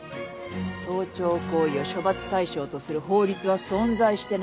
盗聴行為を処罰対象とする法律は存在してないの。